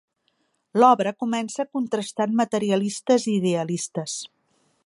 L'obra comença contrastant materialistes i idealistes.